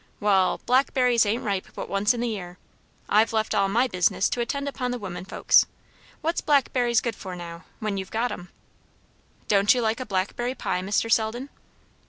Wall blackberries ain't ripe but once in the year. I've left all my business to attend upon the women folks. What's blackberries good for, now, when you've got 'em?" "Don't you like a blackberry pie, Mr. Selden?"